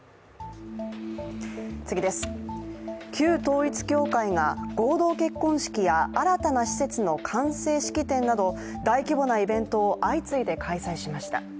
旧統一教会が、合同結婚式や新たな施設の完成式典など大規模なイベントを相次いで開催しました。